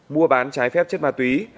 mua bán trái phép chất ma túy